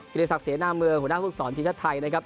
ฤษักเสนาเมืองหัวหน้าภูมิสอนทีมชาติไทยนะครับ